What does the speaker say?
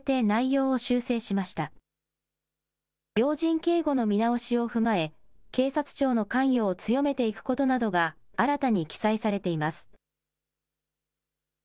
要人警護の見直しを踏まえ、警察庁の関与を強めていくことなどが新たに記載されています。